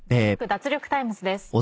脱力タイムズ』です。